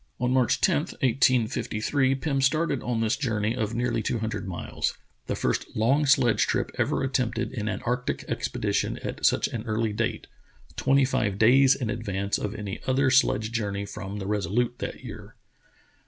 On March 10, 1853, Pim started on this journey of nearly two hundred miles, the first long sledge trip ever attempted in an arctic expedition at such an early date — twenty five days in advance of any other sledge jour ney from the Resolute that year.